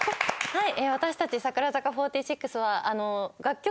はい。